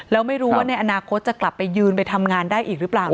แล้วไม่รู้ว่าในอนาคตจะกลับไปยืนไปทำงานได้อีกหรือเปล่า